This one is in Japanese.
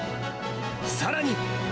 さらに。